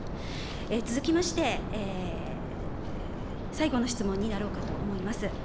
続きまして、最後の質問になろうかと思います。